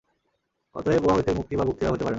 অতএব উহা হইতে মুক্তি বা ভক্তিলাভ হইতে পারে না।